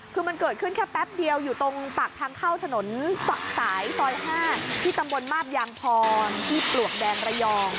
คือมันเกิดขึ้นแค่แป๊บเดียวอยู่ตรงปากทางเข้าถนนสายซอย๕ที่ตำบลมาบยางพรที่ปลวกแดงระยอง